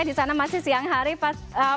di sana masih siang hari pak renald